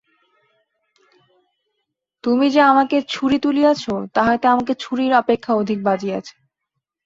তুমি যে আমাকে ছুরি তুলিয়াছ, তাহাতে আমাকে ছুরির অপেক্ষা অধিক বাজিয়াছে।